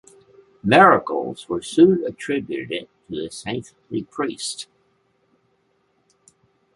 Miracles were soon attributed to the saintly priest.